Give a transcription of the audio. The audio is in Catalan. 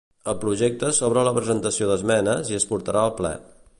El projecte s'obre a la presentació d'esmenes i es portarà al ple.